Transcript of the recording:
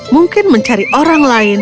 mungkin mencari orang lain